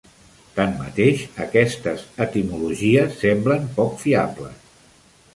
Tanmateix, aquestes etimologies semblen poc fiables.